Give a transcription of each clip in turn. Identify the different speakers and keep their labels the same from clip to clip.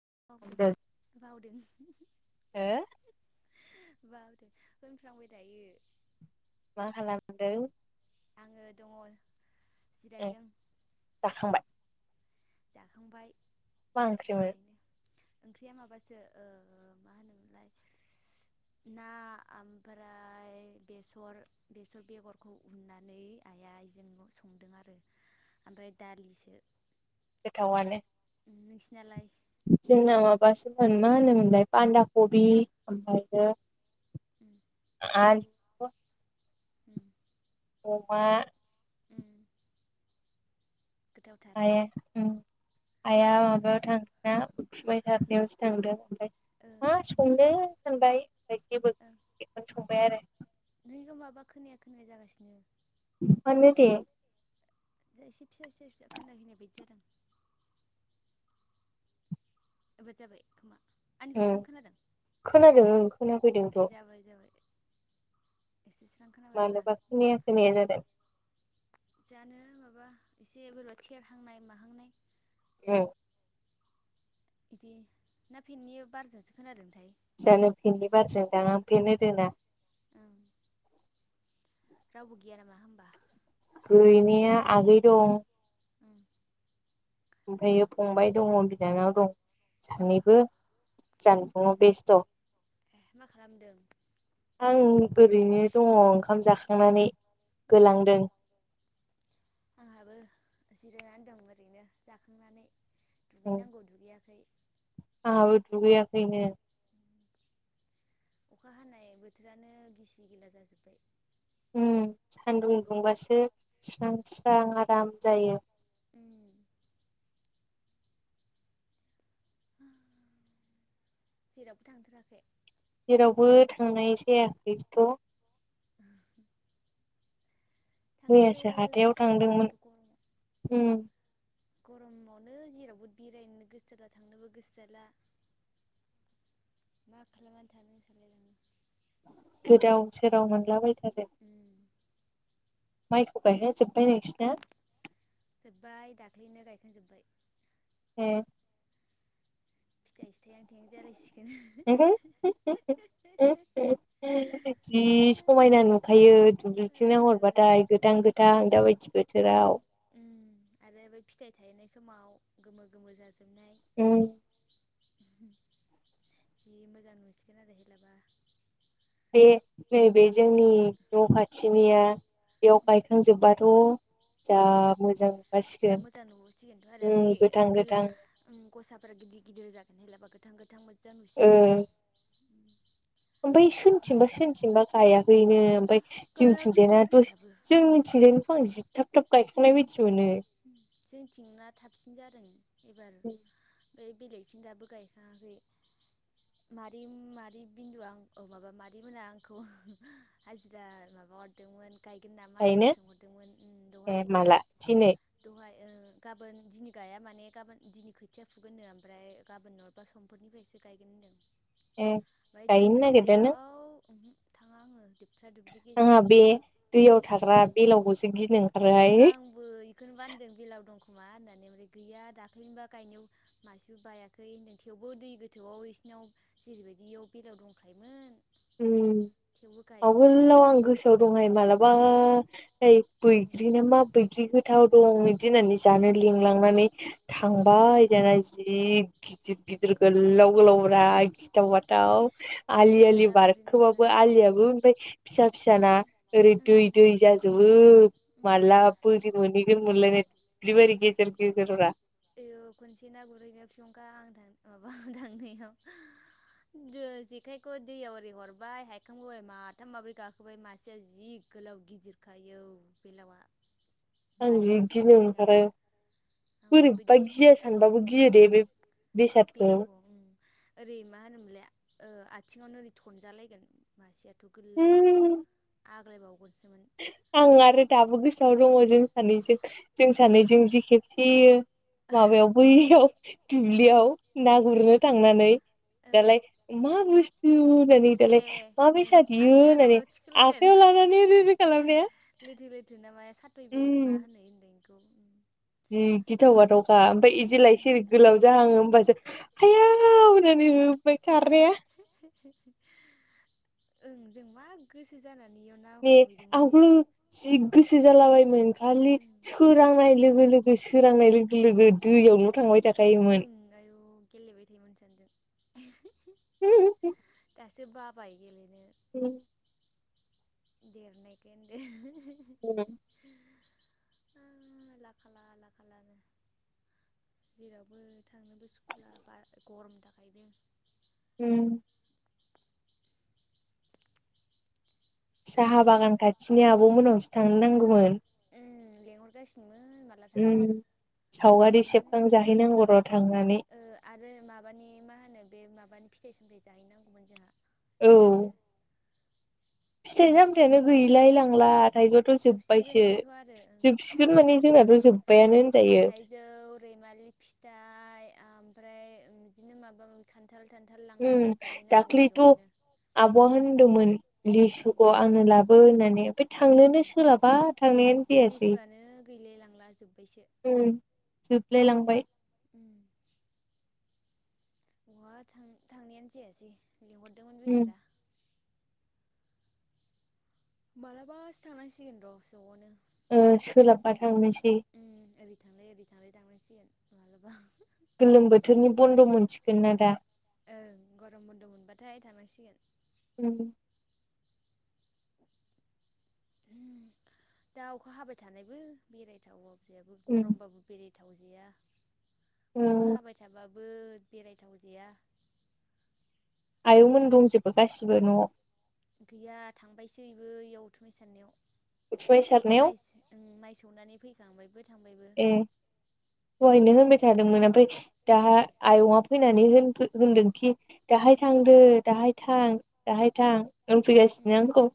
Speaker 1: [inaudible] बा [unintelligible] होनफ्लांबाय दायो
Speaker 2: मा खालामदों ए जाखांबाय
Speaker 1: जाखांबाय
Speaker 2: मा ओंख्रिमोन
Speaker 1: ओंख्रिया माबासो ओ मा होनोमोनलाय ना ओमफ्राय बेसर बेसर बेगरखौ उननानै आइआ इजोंल' संदों आरो ओमफाय दालिसो
Speaker 2: गोथावानो
Speaker 1: नोंसिनालाय
Speaker 2: जोंना माबासोमोन मा होनोमोनलाय बान्दा कबि ओमफायो [unintelligible]
Speaker 1: उम
Speaker 2: अमा आया उम आया माबायाव थांदोंना [unintelligible] गामियावसो थांदों ओमफाय मा संनो सानबाय [unintelligible] बेखौनो संबाय आरो
Speaker 1: नैगो माबा खोनाया खोनाया जागासिनो
Speaker 2: मानो दे
Speaker 1: दा एसे फिसा फिसा फिसा खोनथाहैनाय बायदि जादों ओ बोजाबाय खोमा आंनिखौ स्रां खोनादों ए जाबाय जाबाय
Speaker 2: मानोबा खोनाया खोनाया जादों
Speaker 1: जानो माबा एसे बोरैबा थेरहांनाय माहांनाय
Speaker 2: एह
Speaker 1: इदि ना फेन्टनि बारजोंसो खोनादोंथाय?
Speaker 2: जानो फेननि बारजों दां आं फेन होदोना
Speaker 1: औ रावबो गैया नामा होमबा
Speaker 2: गैनाया आगै दं ओमफायो फंबाय दङ' बिनानाव दं सानैबो जानबुङाव बेसथ'
Speaker 1: मा खालामदों
Speaker 2: आं ओरैनो दङ ओंखाम जाखांनानै
Speaker 1: आंहाबो जिरायनानै दं ओरैनो जाखांनानै दुगैनांगौ दुगैयाखै
Speaker 2: आंहाबो दुगैयाखैनो
Speaker 1: अखा हानाय बोथोरानो गिसि गिला जाजोब्बाय
Speaker 2: उम सान्दुं दुंबासो स्रां स्रां आराम जायो
Speaker 1: जेरावबो थांथाराखै
Speaker 2: जेरावबो थांनाय जायाखैथ' मैयासो हाथायाव थांदोंमोन।
Speaker 1: गरमावनो जेरावबो बेरायनो गोसो जाला थांनोबो गोसो जाला मा खालामनानै थानो सानलाय लाङो
Speaker 2: गोदाव सोराव मोनलाबायथारदों माइखौ गायखां जोबबाय नोंसिना
Speaker 1: बैनिया गायखांजोबबाय
Speaker 2: ए
Speaker 1: फिथाइ सिथाइ आ थें जालायसिगोन
Speaker 2: जि समायना नुखायो दुब्लिथिं नाहरबाथाय गोथां गोथां दाबायदि बोथोराव
Speaker 1: उम आरो बे फिथाइ थायनाय समाव गोमो गोमो जाजोबनाय
Speaker 2: ए
Speaker 1: जि मोजां बुंसिगोन आरो हेलाबा
Speaker 2: बे नैबे जोंनि न' खा थिनिया बेयाव गायखांजोब्बाथ'
Speaker 1: जा मोजां नुसिगोनथ' आरो बे जेला गसाफोर गिदिर गिदिर जागोन होनलाबा गोथां गोथां मोजां नुसिगोन
Speaker 2: ओमफाय सोरथिंबा सोरथिंबा गायाखैनो ओमफाय जोंनि थिंजायना दसे जोंनिथिंजायनिखौ आं जि थाब थाब गायखांनाय बायदि
Speaker 1: जोंथिंना थाबसिन जादों एबार ओमफाय बेलेगथिं दाबो गायखाङाखै मारै मारै बिन्दु आं औ माबा मादै मोना आंखौ हाजिरा माबा माबा हरदोंमोन गायगोन नामा होननानै सोंहरदोंमोन दहाय दहाय गाबोन दिनै गाया माने गाबोन दिनै खोथिया फुगोन नो ओमफ्राय गाबोन नङाबा समफोरनिफ्रायसो गायगोन होनदों
Speaker 2: ए गायैनो नागिदानो
Speaker 1: थाङा आङो
Speaker 2: आंहा बे दैयाव थाग्रा बेलावखौसो गिनो
Speaker 1: आंबो बेखौनो बान्दों बिलाव दं नुवा होननानै ओमफ्राय गैया दाख्लैनिबा गायनायाव मासेबो बायाखै होनदों थेवबो दै गोथौआव एस नाव जेरैबायदि बेयाव बेलायाव दंखायोमोन
Speaker 2: आवगोलाव आं गोसोआव दंहाय मालाबा ओइ बैग्रि नामा बैग्रिखौ खथाव दं बिदि होननानै जानो लिंलांनानै थांबाय दाना जि गिदिर गिदिर गोलाव गोलाव गिथाव बाथाव आ आ बारखोब आ मफ्राय फिसा फिसाना ओरै दै दै जाजोबो मालाबोो ज मोनहैगोन मोनलायनाय दिबारि गेजेर ग जारा
Speaker 1: य खनसे ना गुरहैनाय फिसुंखा आंां माबा थांनायाव जेखाइखौ दैयाव ओरै हरबाय हायखांबो माथाम माब्रै गाखोबाय मासेया जि गोलाव गिदिरखायोव बेलावा
Speaker 2: आं जि गिनो ओंखारखारो बोरैबा गिया सानबाबो गियो दे बे बेसादखौ
Speaker 1: ओरै मा होनोमोनलाय आथिंावनो ओरै थनजालायगोन मासेयानो बाथ' गोलावआ आग्लायबावगोनसो
Speaker 2: आं आरो दाबो गोसोआव दङ जों सानैजों जों सानैजों जखे एसेयो माबायाव बैयाव दुब्लियाव ना गुरनो थांनानै दालाय मा बुस होननानैालाय मा फैसा दयो होननानै आायाव लानानै
Speaker 1: लेथो लेथ्रि ना माया साथय बिल मा होनो होनदों बेखौ
Speaker 2: जि गिथावगाथावखा ओमफ्राय इदिलााय इसे गोलाव जाहाङो होमबासो हायानानै बाय साराया
Speaker 1: ओं जों मा गोसो जानानै
Speaker 2: ने आवगोलो' जि गोसो जालाबायमोन खालि सोरांनाय लोगो लोगो सोरांनाय लोगो लोगो दैयावल' थांबाय थाखायोमोन
Speaker 1: गेलेबाय थायोमोन सानदों
Speaker 2: ह
Speaker 1: एसे बाबाय गेलेनो
Speaker 2: द
Speaker 1: देरनायखाय होनदो
Speaker 2: औ
Speaker 1: ओ आलाकाला आलाकाला नो जेरावबो थांनोबो स्कुला बारा गरम थाखायदों
Speaker 2: उ साहा बागान खाथिनि आब' मोननावसो थांनो नांगौमोन
Speaker 1: लेंहरगासिनोमोन माब्ला थाङो
Speaker 2: सावगारि सेबखांजाहैनांगौ' थांनानै
Speaker 1: बानि फिथाइ सामथथाय जाहैनांगौमोन जोंहा ज'नो
Speaker 2: फिथाइ सामथायानो गैलाय लांला थाइबथ' जोब्बायसो जोबसिगोन माने जोंनाथ' जोब्बायानो
Speaker 1: फि थाइजौ रैमालि फिथाइ ओमफ्राय बिदिनो माबा माबि कान
Speaker 2: दाखलिैथ' आब'आ होनदोंमोन सुखौ आंनो लाबो होननानै फ्राय थांनोनो सोलाबा थां
Speaker 1: लिसुआनो गैल लांला जोब्बायसो
Speaker 2: जोबलाय लांबाय
Speaker 1: बहा थांनायानो जायासै लिंहरदोंमोन बिसोरा मालाबासो थांनांसिगोन र' ज'आवनो
Speaker 2: सोलाबबा थांनोसै
Speaker 1: थांलाय ओरै थांलाय थांलायसिगोन माब्लाबा
Speaker 2: गोलोम बोथोरनि बन्द' मोनसिगोन ना दा
Speaker 1: ओं गरम बन्द' मोनबाथाय थांनांसिगोन
Speaker 2: उ
Speaker 1: दा अखा हाबाय थानायबो बेरायथाव जेबो गरमबाबो बेरायथाव जाया अखा हाबाय थाबाबो बेरायथावजाया
Speaker 2: आयंमोन दंजोबो गासिबो न'आव
Speaker 1: गैया थांबायसैबो इयाव उथुमाय सारनायाव माइ सौनानै फैखांबायबो
Speaker 2: ए दहायनो होनबाय थादोंमोन ओमफ्राय दा आयंआ फैनानै होनफै होनदोंखि दाहाय थांदो दाहाय थां दाहाय थां। होन फैगासिनो आंखौ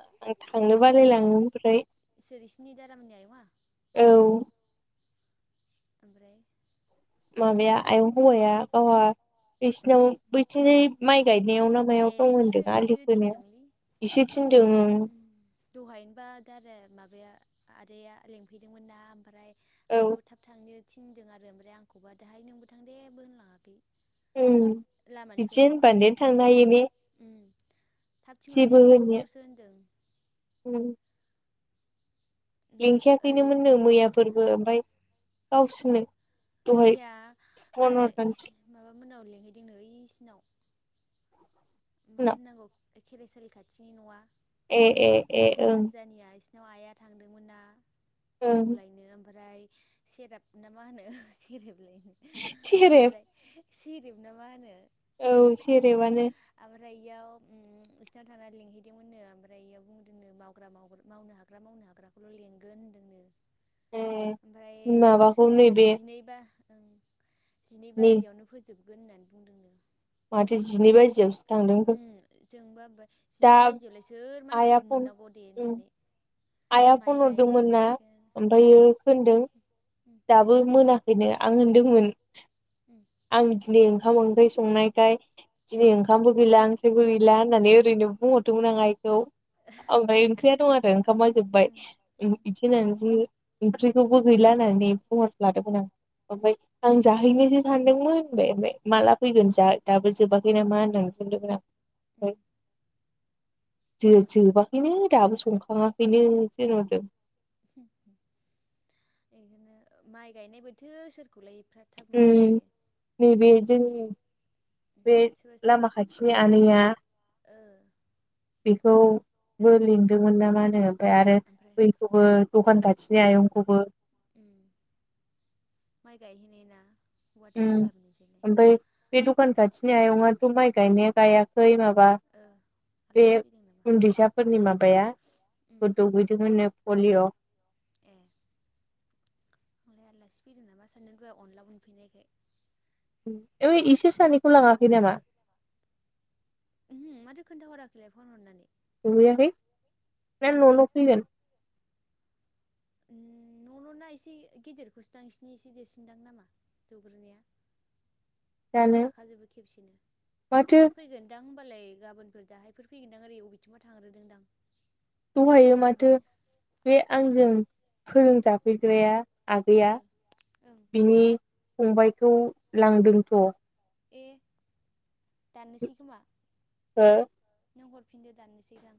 Speaker 2: आं थांनो बालायलाङो ओमफ्राय
Speaker 1: जेरैसिनि दारा मोननि आयंआ ओमफ्राय
Speaker 2: माबाया आयं हौवाया गावहा [unintelligible] बिनाव बैथिं माइ गायनायाव ना मायाव दं होनदों आलि फोनायाव इसो थिनदों। ओम
Speaker 1: दहायनोबा दादाया माबाया आदाया लिंफैदोंमोन ना ओमफ्राय आइखौ थाब थांनो थिनदों आरो ओमफ्राय आंखौबा दाहाय नोंबो थां देबो होनलाङाखै लामानिफ्राय नोंसिनिजों ओरै हाबोबा ओम थाब थिंहरदे आइखौल'सो
Speaker 2: ओम लिंखायाखैमोननो मैयाफोरबो ओमफाय गावसोरनो
Speaker 1: मैया [unintelligible] माबा मोनाव लिंहैदोंनो ऐसिनाव मा होननांगौ खेराइसालि खाथिनि न'आ
Speaker 2: ए ए ए ओ
Speaker 1: नाव आइया थांदोंमोन ना जौ लायनो ओमफ्राय सेरेब ना मा होनो सेरेब लायनो ओमफ्राय सेरेब ना मा होनो।
Speaker 2: औ सेरबानो
Speaker 1: ओमफ्राय ऐयाव ओम बिसिनाव थानानै लिंहैदोंमोननो ओमफ्राय ऐयाव बुंदोंनो मावग्रा मावनो हाग्रा माव नो हाग्राखौल' लेंगोन होन्दोंनो ओमफ्राय ओ थुये जिनैबा जिनै बाजियावनो फोजोबगोन होननानै बुंदोंनो।
Speaker 2: माथो जिनै बाजियावसो
Speaker 1: ओम जोंबा होनबाय जिनै बाजियावलाय सोर मानसिखौ मोननांगौ दे होननानै।
Speaker 2: आइया फन हरदोंमोन ना ओमफ्रायो खोनदों दाबो मोन खैनो आं होनदोंमोन आं बिदिनो ओंखाम ओंख्रि संनायखाय दिनै ओंखामबो गैला ओंख्रिबो गैला होननानै ओरैनो बुंहरदोंमोन आं आइ खौ ओफ्राय ओंख्रिया दं आरो ओंखाम मा जोबबाय बिदि होननानै ओंख्रिखौबो गैला होननानै बुंहर प्लादोंमोन आं ओमफ्राय जाहैनोसो सानदोंमोन होनबाय आमफाय माला फैगोन दा दाबो जोबाखै नामा होननानै बुंदोंमोन आं जो जोबाखैनो दाबो संखाङा खैनो बिदि बुंहरदों।
Speaker 1: [unintelligible] माइ गायनाय बोथोर सोर
Speaker 2: ओम बे बे जोंनि। बे लामा खाथिनि आनैया
Speaker 1: ओ
Speaker 2: बेखौबो लिंदोंमोन ना मा होनो ओमफाय आरो बैखौबो दखान खाथिनि आयंखौबो
Speaker 1: ओम--माइ गायहैनाय ना।
Speaker 2: ओम ओमफाय बे दखान खाथिनि आयंआथ' माइ गायनाया गायाखै मा बा बे उन्दैसाफोरनि माबाया दौहैदोंमोन नो। पलिय'
Speaker 1: आं लाय आलासि फैदों नामा सान्दों अनला उनफैनायखाय।
Speaker 2: ओय इसोर सानैखौ लाङाखै नामा?
Speaker 1: ओहो माथो खोन्था हराखैलाय फन हरनानै।
Speaker 2: सहैयाखै ना न' न' फैगोन।
Speaker 1: ओम नना एसे गिदिरखौसोदांसिनि बसिनि एसे देरसिनदां नामा दुग्रोनाया ना लाखा जोबो खेबसेनो फैगोन दा होमबालाय गाबोनफोर दाहायफोर फैगोनदां ओरै अबेथिंबा थांग्रोदों दां
Speaker 2: दहायो माथो बे आंजों फोरोंजाफैग्राया आगैया बिनि फंबायखौ लांदोंथ
Speaker 1: ए दानोसै खोमा
Speaker 2: हो
Speaker 1: नों हरफिनदो दानोसैदां